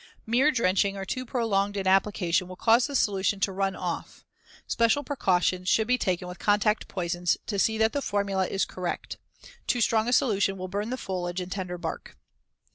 Mere drenching or too prolonged an application will cause the solution to run off. Special precautions should be taken with contact poisons to see that the formula is correct. Too strong a solution will burn the foliage and tender bark.